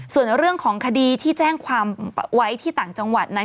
ส่วนเรื่องของคดีที่แจ้งความไว้ที่ต่างจังหวัดนั้น